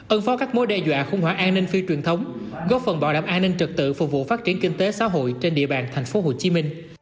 ơn phó các mối đe dọa khung hóa an ninh phi truyền thống góp phần bảo đảm an ninh trực tự phục vụ phát triển kinh tế xã hội trên địa bàn tp hcm